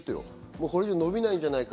これ以上、伸びないじゃないか。